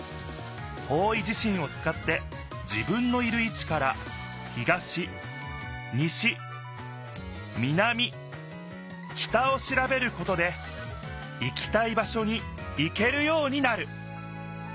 方位じしんをつかって自分のいるいちから東西南北をしらべることで行きたい場しょに行けるようになる！